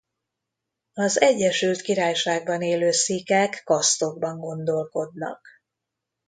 Az Egyesült Királyságban élő szikhek kasztokban gondolkodnak.